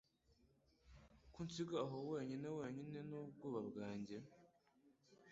kunsiga aho wenyine wenyine n'ubwoba bwanjye